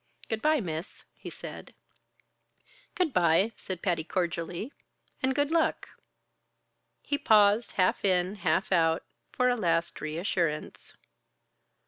"Good by, Miss," he said. "Good by," said Patty cordially. "And good luck!" He paused, half in, half out, for a last reassurance.